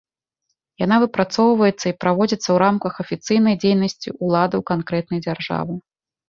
Яна выпрацоўваецца і праводзіцца ў рамках афіцыйнай дзейнасці ўладаў канкрэтнай дзяржавы.